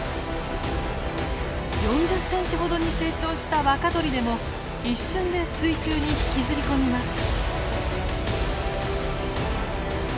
４０センチほどに成長した若鳥でも一瞬で水中に引きずり込みます。